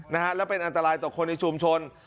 นะฮะและเป็นอันตรายต่อคนในชุมชน